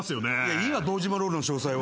いいわ堂島ロールの詳細は。